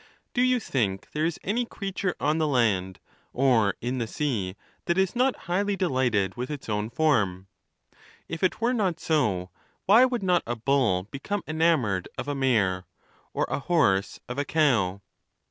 Do you think there is any creature on the land or in the sea that is not highly delighted with its own form ? If it were not so, why would not a bull become enamored of a mare, or a horse of a cow?